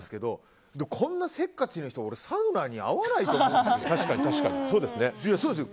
こんなせっかちな人サウナに合わないと思うんですよ。